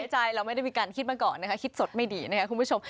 ใจเราไม่ได้มีการคิดมาก่อนนะคะคิดสดไม่ดีนะครับคุณผู้ชม